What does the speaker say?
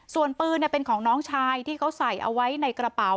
ส่วนปืนเป็นของน้องชายที่เขาใส่เอาไว้ในกระเป๋า